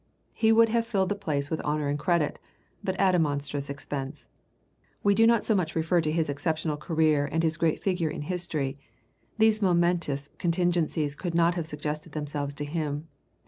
He would have filled the place with honor and credit but at a monstrous expense. We do not so much refer to his exceptional career and his great figure in history; these momentous contingencies could not have suggested themselves to him.